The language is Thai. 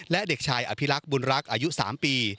และเด็กชายอภิรักษ์บุญรักษ์อายุ๓ปี